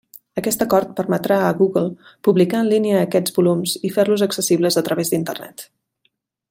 Aquest acord permetrà a Google publicar en línia aquests volums i fer-los accessibles a través d'Internet.